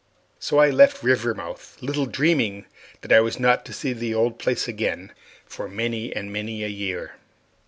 So I left Rivermouth, little dreaming that I was not to see the old place again for many and many a year.